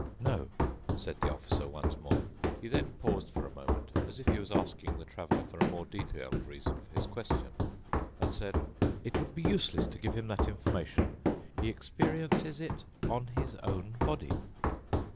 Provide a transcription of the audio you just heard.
"No," said the Officer once more. He then paused for a moment, as if he was asking the Traveler for a more detailed reason for his question, and said, "It would be useless to give him that information. He experiences it on his own body."